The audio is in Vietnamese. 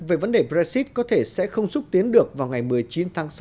về vấn đề brexit có thể sẽ không xúc tiến được vào ngày một mươi chín tháng sáu